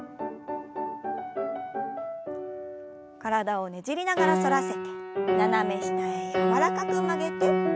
体をねじりながら反らせて斜め下へ柔らかく曲げて。